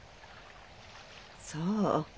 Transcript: そう。